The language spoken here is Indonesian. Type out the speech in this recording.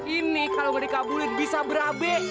ini kalo gak dikabulin bisa berabe